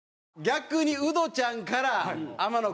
逆にウドちゃんから天野君。